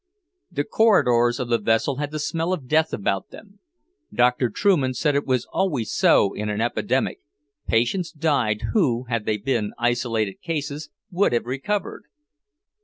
The corridors of the vessel had the smell of death about them. Doctor Trueman said it was always so in an epidemic; patients died who, had they been isolated cases, would have recovered.